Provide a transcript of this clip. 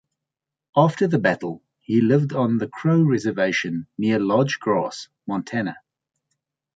After the battle, he lived on the Crow reservation near Lodge Grass, Montana.